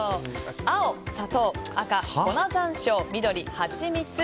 青、砂糖赤、粉山椒緑、ハチミツ。